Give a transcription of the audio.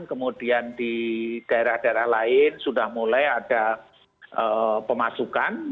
kemudian di daerah daerah lain sudah mulai ada pemasukan